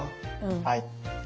はい。